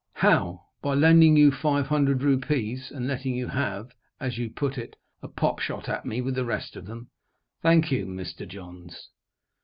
"How? By lending you five hundred rupees, and letting you have, as you put it, a pop shot at me with the rest of them. Thank you, Mr. Johns.